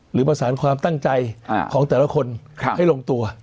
หรือประสานความตั้งใจของแต่ละคนให้ลงตัว